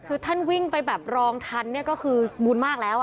คือท่านวิ่งไปแบบรองทันเนี่ยก็คือบุญมากแล้ว